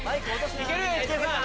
・いけるＨｋさん・